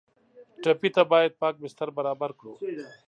ټپي ته باید پاک بستر برابر کړو.